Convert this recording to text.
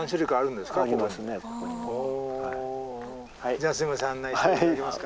じゃあすいません案内して頂けますか？